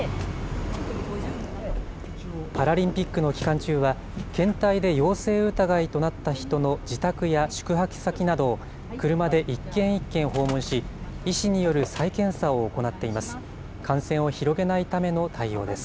パラリンピックの期間中は、検体で陽性疑いとなった人の自宅や宿泊先などを車で一軒一軒訪問し、医師による再検査を行っています。